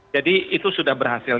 jadi itu sudah berhasil